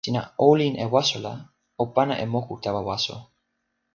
sina olin e waso la o pana e moku tawa waso.